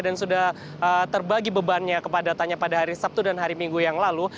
dan sudah terbagi bebannya kepada tanya pada hari sabtu dan hari minggu yang lalu